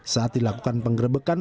saat dilakukan penggrebekan